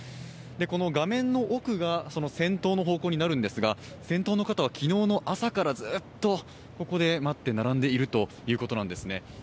この画面の奥が先頭の方向になるんですが先頭の方は昨日の朝からずっとここで待って並んでいるということです。